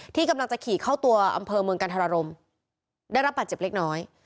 ที่กำลังจะขี่เข้าตัวอำเภอเมืองกันธรรมได้รับบาดเจ็บเล็กน้อย